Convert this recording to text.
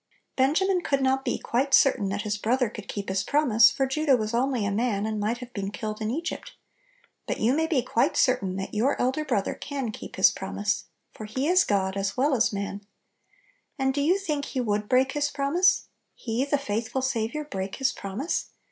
Benjamin could not be quite certain .that his brother could keep his prom ise, for Judah was only a man, and might have been killed in Egypt But you may be quite certain that your Elder Brother can keep His promise, for He is God as well as man. And do 82 Little Pillows. you think He would break His prom ise? He, the Faithful Saviour, break His promise